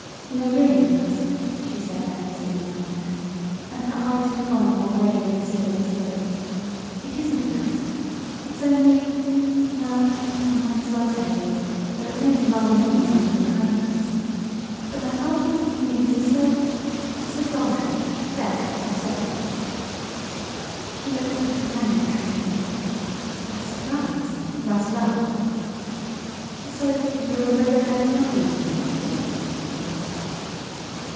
"No, really, Russ," she said earnestly enough now, and her eyes took on a more grave and serious look. "It isn't that. It's only well, I might as well tell you, though it may be rather mean after your kindness. But my father thinks the movies are so so vulgar! There I've said it." She looked at her companion anxiously. To her surprise Russ laughed. "So, you were afraid of hurting my feelings; were you?" he asked.